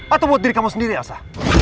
atau untuk diri kamu sendiri elsa